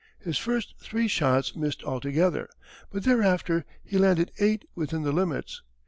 His first three shots missed altogether, but thereafter he landed eight within the limits.